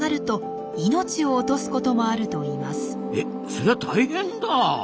そりゃ大変だ！